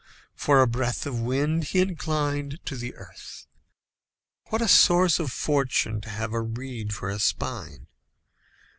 For a breath of wind he inclined to the earth. What a source of fortune to have a reed for a spine!